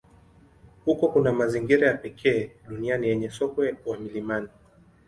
Huko kuna mazingira ya pekee duniani yenye sokwe wa milimani.